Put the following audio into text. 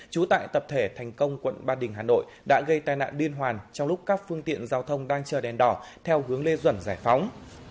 trú tại tập thể thành công quận ba đình hà nội đã gây tai nạn liên hoàn trong lúc các phương tiện giao thông đang chờ đèn đỏ theo hướng lê duẩn giải phóng